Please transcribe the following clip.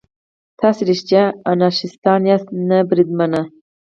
تاسې رښتیا انارشیستان یاست؟ نه بریدمنه.